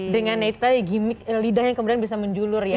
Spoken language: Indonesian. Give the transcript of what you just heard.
dengan itu tadi gimmick lidah yang kemudian bisa menjulur ya